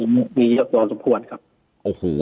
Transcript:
มียกตัวสมควรครับ